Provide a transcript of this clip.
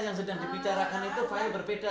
yang sedang dibicarakan itu banyak berbeda